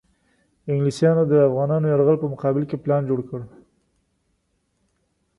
انګلیسیانو د افغانانو یرغل په مقابل کې پلان جوړ کړ.